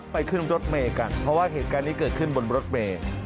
ขึ้นรถเมย์กันเพราะว่าเหตุการณ์นี้เกิดขึ้นบนรถเมย์